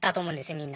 みんな。